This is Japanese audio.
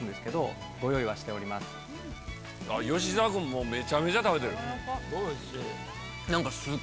吉沢君もめちゃめちゃ食べてる。